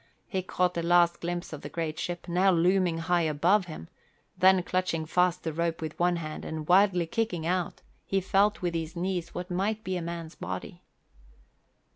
He caught a last glimpse of the great ship, now looming high above him, then clutching fast the rope with one hand and wildly kicking out, he felt with his knees what might be a man's body.